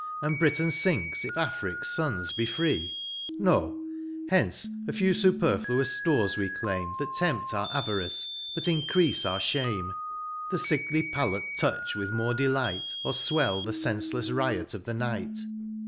And Britain finks if Afric's fons be free ?— No — Hence a few fuperiluous ftores we claim, That tempt our avarice, but increafe our fhame ; The MOUNT PLEASANT. 15 The lickly palate touch with more delight, Or fwell the fenfelefs riot of the night.